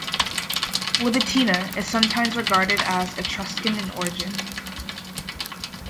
Libitina is sometimes regarded as Etruscan in origin.